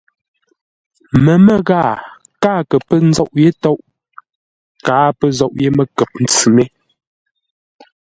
Məmə́ ghaa káa kə pə́ nzôʼ yé tôʼ, káa pə́ zôʼ yé məkəp-ntsʉ mé.